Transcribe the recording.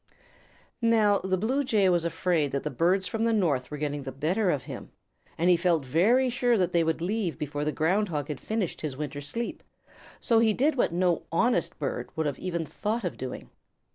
Now the Blue Jay was afraid that the birds from the north were getting the better of him, and he felt very sure that they would leave before the Ground Hog had finished his winter sleep, so he did what no honest bird would have even thought of doing.